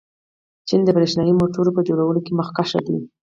چین د برښنايي موټرو په جوړولو کې مخکښ دی.